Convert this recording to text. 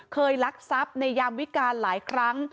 ลักทรัพย์ในยามวิการหลายครั้ง